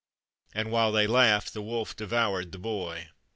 And while they laughed the wolf devoured the boy.